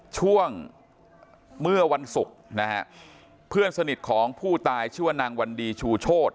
ช่วงเมื่อวันศุกร์นะฮะเพื่อนสนิทของผู้ตายชื่อว่านางวันดีชูโชธ